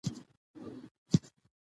خو په پښتو کښې